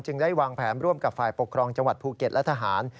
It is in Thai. ได้วางแผนร่วมกับฝ่ายปกครองจังหวัดภูเก็ตและทหาร